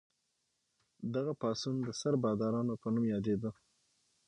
دغه پاڅون د سربدارانو په نوم یادیده.